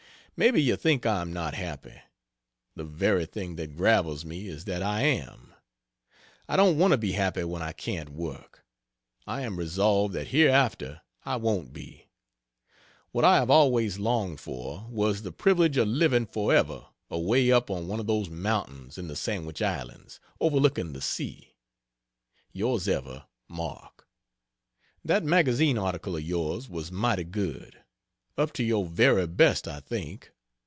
Maybe you think I am not happy? the very thing that gravels me is that I am. I don't want to be happy when I can't work; I am resolved that hereafter I won't be. What I have always longed for, was the privilege of living forever away up on one of those mountains in the Sandwich Islands overlooking the sea. Yours ever MARK. That magazine article of yours was mighty good: up to your very best I think.